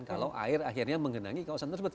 kalau air akhirnya menggenangi kawasan tersebut